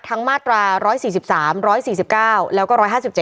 มาตรา๑๔๓๑๔๙แล้วก็๑๕๗